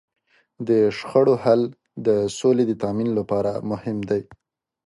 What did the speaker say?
د شخړو حل د سولې د تامین لپاره مهم دی.